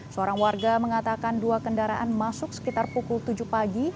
seorang warga mengatakan dua kendaraan masuk sekitar pukul tujuh pagi